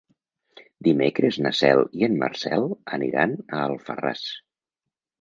Dimecres na Cel i en Marcel aniran a Alfarràs.